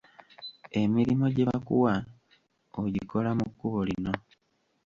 Emirimo gye bakuwa, ogikola mu kkubo lino.